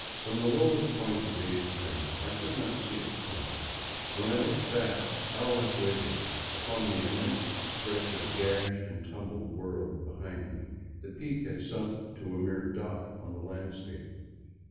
From the lowest point of the day's tramp I could not see its summit ; when I looked back hours later upon the immense stretch of gashed and tumbled world behind me, the peak had sunk to a mere dot on the landscape.